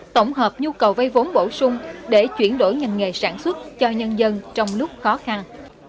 tổng hợp nhu cầu vay vốn bổ sung để chuyển đổi ngành nghề sản xuất cho nhân dân trong lúc khó khăn